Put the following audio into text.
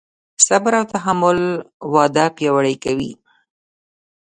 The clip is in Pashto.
صبر او تحمل واده پیاوړی کوي.